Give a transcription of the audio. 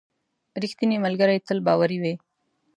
• رښتینی ملګری تل باوري وي.